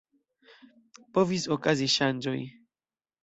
Povis okazi ŝanĝoj.